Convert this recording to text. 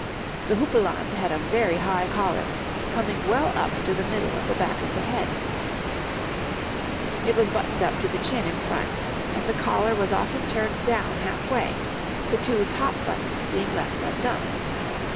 The houppelande had a very high collar, coming well up to the middle of the back of the head; it was buttoned up to the chin in front, and the collar was often turned down half way, the two top buttons being left undone.